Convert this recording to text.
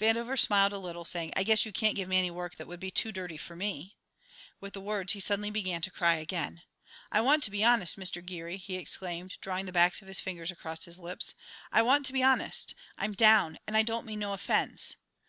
Vandover smiled a little, saying, "I guess you can't give me any work that would be too dirty for me!" With the words he suddenly began to cry again. "I want to be honest, Mister Geary," he exclaimed, drawing the backs of his fingers across his lips; "I want to be honest; I'm down and I don't mean no offence.